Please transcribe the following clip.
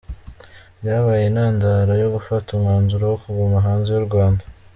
byabaye intandaro yo gufata umwanzuro wo kuguma hanze yu Rwanda.